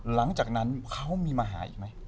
หลังจากนั้นเขามีมาหาอีกไหม